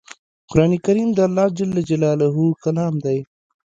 قرآن کریم د الله ج کلام دی